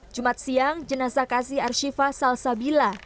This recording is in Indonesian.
jumat siang jenasa kasi arshifa salsabila